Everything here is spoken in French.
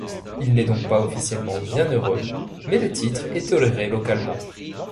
Il n'est donc pas officiellement bienheureux mais le titre est toléré localement.